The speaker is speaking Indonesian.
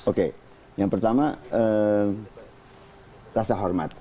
oke yang pertama rasa hormat